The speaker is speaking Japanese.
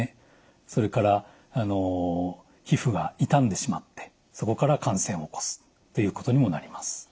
それから皮膚が傷んでしまってそこから感染を起こすっていうことにもなります。